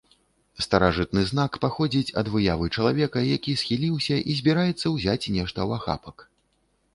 Старажытны знак паходзіць ад выявы чалавека, які схіліўся і збіраецца ўзяць нешта ў ахапак.